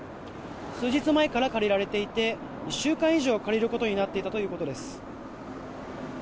数日前から借りられていて１週間以上借りることになっていたということです。